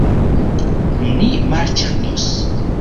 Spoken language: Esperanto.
Ni marĉandos.